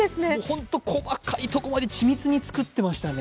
ホント、細かいところまで緻密に作っていましたね。